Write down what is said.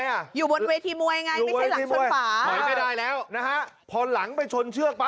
อยู่บนเวทีมวยไงไม่ใช่หลังชนฝา